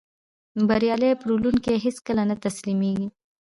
بریالی پلورونکی هیڅکله نه تسلیمېږي.